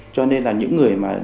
cho nên là những người mà